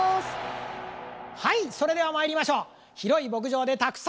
はいそれではまいりましょう！